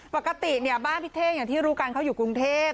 ปกติเนี่ยบ้านพี่เท่งอย่างที่รู้กันเขาอยู่กรุงเทพ